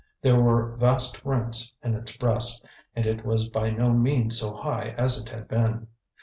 There were vast rents in its breast, and it was by no means so high as it had been.